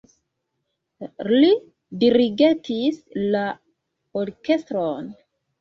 Li dirigentis la orkestron.